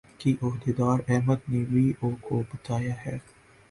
کی عہدیدار سدرا احمد نے وی او کو بتایا ہے